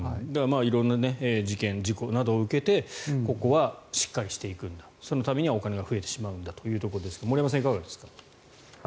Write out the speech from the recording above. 色んな事件、事故などを受けてここはしっかりしていくんだそのためにはお金が増えてしまうんだというところですが森山さん、いかがですか。